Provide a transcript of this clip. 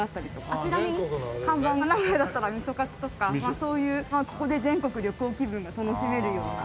あちらに看板が名古屋だったら味噌かつとかそういうここで全国旅行気分が楽しめるような。